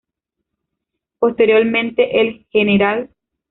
Posteriormente el Gral.